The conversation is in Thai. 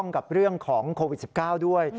กับเรื่องของโควิด๑๙ด้วย